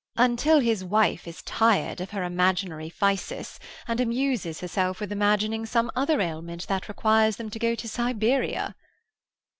"Until his wife is tired of her imaginary phthisis, and amuses herself with imagining some other ailment that requires them to go to Siberia."